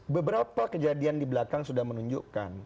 beberapa kejadian di belakang sudah menunjukkan